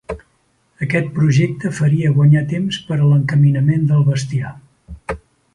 Aquest projecte faria guanyar temps per a l'encaminament del bestiar.